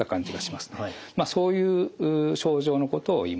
まあそういう症状のことを言います。